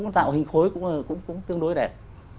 tạo hình khối cũng tương đối đẹp